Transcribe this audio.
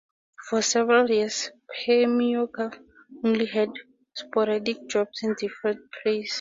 For several years Permyakov only held sporadic jobs in different plays.